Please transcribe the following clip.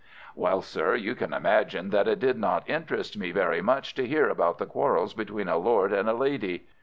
Well, sir, you can imagine that it did not interest me very much to hear about the quarrels between a Lord and a Lady.